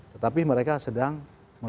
tetapi mereka sedang mengkompromikan kekuasaan